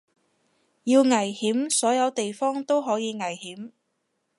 要危險所有地方都可以危險